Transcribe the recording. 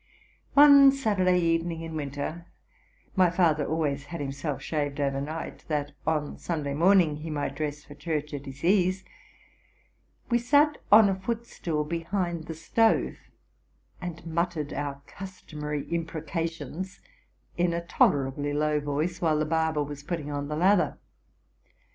One Saturday evening in winter, — my father always had himself shaved over night, that on Sunday morning he might dress for church at his ease, —we sat on a footstool behind the stove, and muttered our customary imprecations in 2 tolerably low voice, while the barber was putting on the lather.